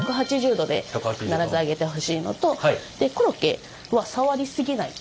１８０度で必ず揚げてほしいのとでコロッケは触りすぎない。